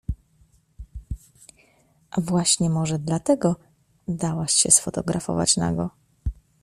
A właśnie może dlatego? Dałaś się sfotografować nago.